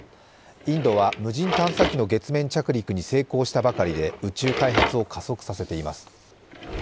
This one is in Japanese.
インドは無人探査機の月面着陸に成功したばかりで宇宙開発を加速させています。